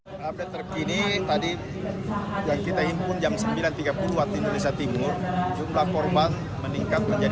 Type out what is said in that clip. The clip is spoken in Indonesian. update terkini tadi yang kita himpun jam sembilan tiga puluh waktu indonesia timur jumlah korban meningkat menjadi